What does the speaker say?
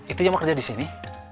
itu yang mau kerja disini